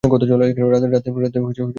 রাতে আমি ঘুমুতে পারি না।